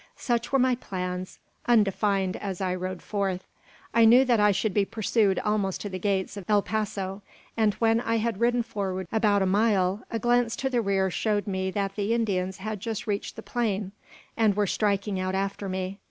Such were my plans, undefined as I rode forth. I knew that I should be pursued almost to the gates of El Paso; and, when I had ridden forward about a mile, a glance to the rear showed me that the Indians had just reached the plain, and were striking out after me.